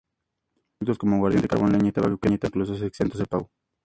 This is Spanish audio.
Productos como aguardiente, carbón, leña y tabaco quedaban incluso exentos de pago.